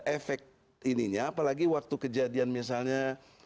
efek ininya apalagi waktu kejadian misalnya